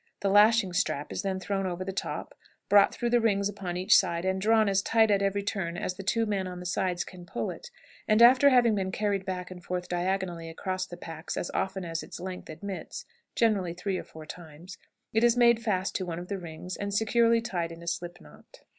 The lashing strap is then thrown over the top, brought through the rings upon each side, and drawn as tight at every turn as the two men on the sides can pull it, and, after having been carried back and forth diagonally across the packs as often as its length admits (generally three or four times), it is made fast to one of the rings, and securely tied in a slip knot.